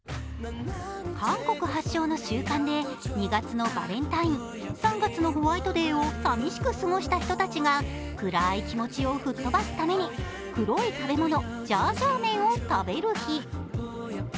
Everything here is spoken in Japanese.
韓国発祥の習慣で、２月のバレンタイン、３月のホワイトデーを寂しく過ごした人たちが暗い気持ちを吹っ飛ばすために黒い食べ物ジャージャー麺を食べる日。